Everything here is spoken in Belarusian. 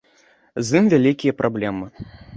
З ім вялікія праблемы.